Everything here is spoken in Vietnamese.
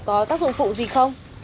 có tác dụng phụ gì không